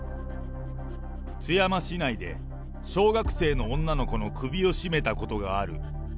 津山市内で、小学生の女の子の首を絞めたことがある。